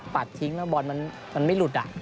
ปัดทิ้งแล้วบอลมันไม่หลุดอ่ะ